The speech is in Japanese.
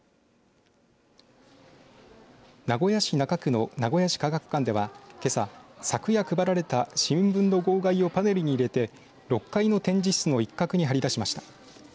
名古屋市中区の名古屋市科学館ではけさ、昨夜配られた新聞の号外をパネルに入れて６階の展示室の一角に貼り出しました。